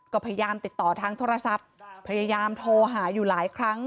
ก็พยายามติดต่อทางโทรศัพท์พยายามโทรหาอยู่หลายครั้ง